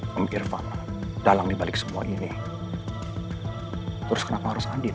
memikirkan dalam dibalik semua ini terus kenapa harus andien